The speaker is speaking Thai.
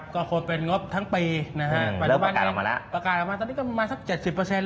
ก็ควรเป็นงบทั้งปีนะครับเริ่มประกาศออกมาละประกาศออกมาตอนนี้ก็มาสัก๗๐เปอร์เซ็นต์ละ